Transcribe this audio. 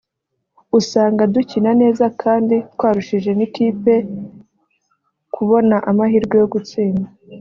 usanga dukina neza kandi twarushije n’ikipe kubona amahirwe yo gutsinda